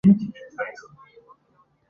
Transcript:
研究过数次日本国内地震事件。